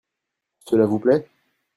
Cela vous plait ?